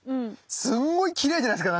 すごいきれいじゃないですか？